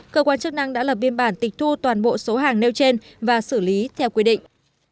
cơ quan chức năng đã lập biên bản tịch thu toàn bộ số hàng nêu trên và xử lý theo quy định